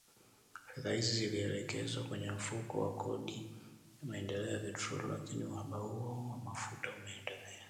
Fedha hizi zilielekezwa kwenye Mfuko wa Kodi ya Maendeleo ya Petroli lakini uhaba huo wa mafuta umeendelea .